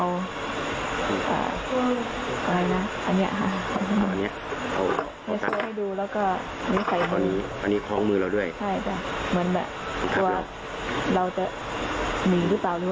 อันนี้